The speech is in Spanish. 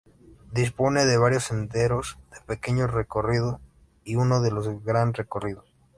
Dispone de varios senderos de pequeño recorrido y uno de gran recorrido.